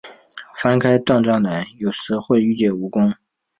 翻开断砖来，有时会遇见蜈蚣